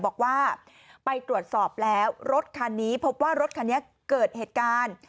บอกว่าไปตรวจสอบแล้วรถคันนี้พบว่ารถคันนี้เกิดเหตุการณ์